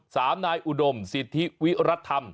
สามนายอุดมสิทธิวิรัติธรรม